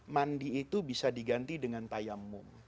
mandi itu bisa diganti dengan tayamu